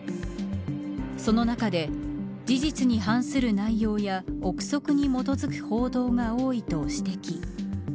その中で、実に反する内容や臆測に基づく報道が多いと指摘。